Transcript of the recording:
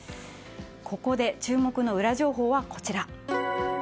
ここで注目のウラ情報はこちら。